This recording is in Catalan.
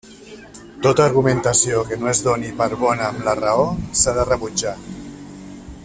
Tota argumentació que no es doni per bona amb la raó, s'ha de rebutjar.